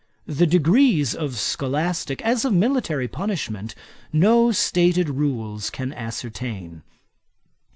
The degrees of scholastick, as of military punishment, no stated rules can ascertain.